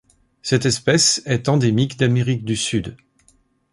Cette espèce est endémique d'Amérique du Sud.